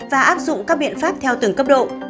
và áp dụng các biện pháp theo từng cấp độ